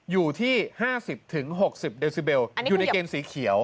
อยู่ที่๕๐๖๐เดซิเบลอยู่ในเกณฑ์สีเขียว